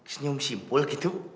senyum simpul gitu